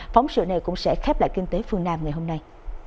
phóng sự này cũng sẽ khép lại kinh tế phương nam ngày hôm nay